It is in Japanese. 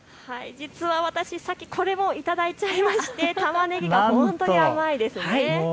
実は、さっきこれもいただいてたまねぎが本当に甘いです。